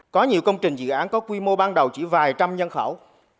có nhiều công trình dự án có quy mô ban đầu chỉ vài trăm nhân khẩu